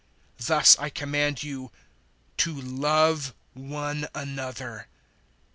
015:017 "Thus I command you to love one another.